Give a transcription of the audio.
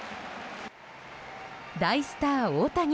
大スター大谷。